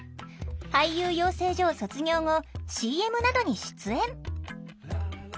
俳優養成所を卒業後ＣＭなどに出演